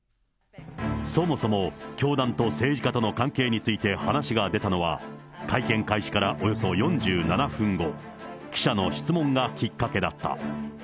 そもそも、教団と政治家との関係について話が出たのは、会見開始からおよそ４７分後、記者の質問がきっかけだった。